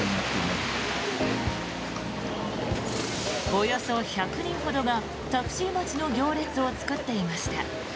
およそ１００人ほどがタクシー待ちの行列を作っていました。